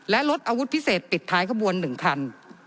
และลดอาวุธพิเศษปิดท้ายขบวน๑คัน